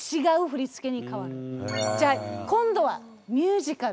じゃあ今度はミュージカルで。